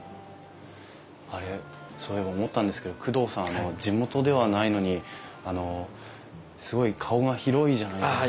あれそういえば思ったんですけど工藤さんは地元ではないのにあのすごい顔が広いじゃないですか。